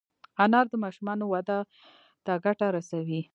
انار د ماشومانو وده ته ګټه رسوي.